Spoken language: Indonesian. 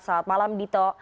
selamat malam dito